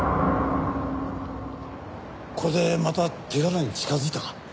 これでまた手柄に近づいたか？